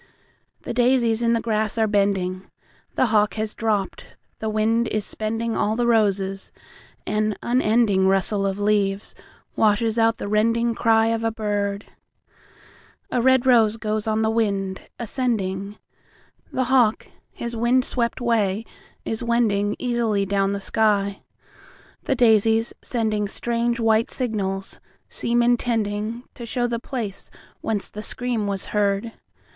The daisies in the grass are bending, The hawk has dropped, the wind is spendingAll the roses, and unendingRustle of leaves washes out the rendingCry of a bird.A red rose goes on the wind.—AscendingThe hawk his wind swept way is wendingEasily down the sky. The daisies, sendingStrange white signals, seem intendingTo show the place whence the scream was heard.